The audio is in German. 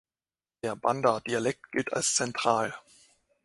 Der Banda-Dialekt gilt als zentral.